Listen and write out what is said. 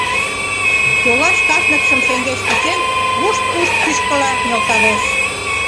Йолаш касныкшым шеҥгеч кучен, вушт-вушт кӱшкыла нӧлталеш.